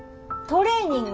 トレーニング？